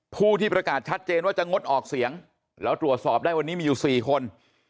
ผู้ที่ประกาศชัดเจนว่าจะงดออกเสียงแล้วตรวจสอบได้วันนี้มีอยู่๔คน